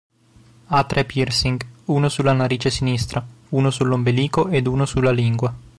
Ha tre piercing: uno sulla narice sinistra, uno sull'ombelico ed uno sulla lingua.